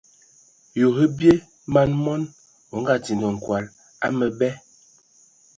Ye o bie man mɔn, o nga tindi nkol a məbɛ.